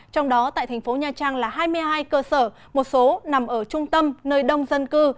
trong đó tại thành phố nha trang là hai mươi hai cơ sở một số nằm ở trung tâm nơi đông dân cư